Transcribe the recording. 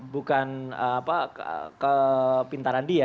bukan kepintaran dia